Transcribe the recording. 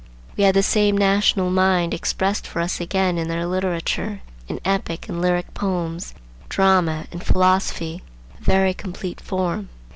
We have the same national mind expressed for us again in their literature, in epic and lyric poems, drama, and philosophy; a very complete form.